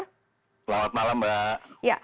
selamat malam mbak